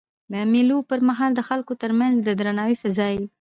د مېلو پر مهال د خلکو ترمنځ د درناوي فضا يي.